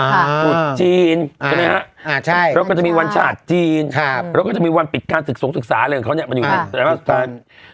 ตรุษจีนใช่มั้ยฮะแล้วก็จะมีวันชาติจีนแล้วจะมีวันปิดการศึกษาส่งเลยเขาเนี่ยมันอยู่ที่นี่